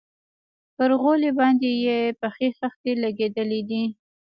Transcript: پر غولي باندې يې پخې خښتې لگېدلي دي.